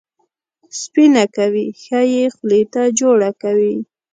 سپینه کوي، ښه یې خولې ته جوړه کوي.